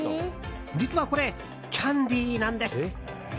実はこれ、キャンディーなんです。